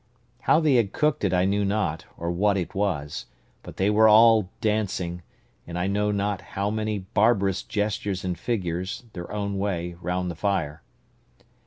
How they had cooked it I knew not, or what it was; but they were all dancing, in I know not how many barbarous gestures and figures, their own way, round the fire.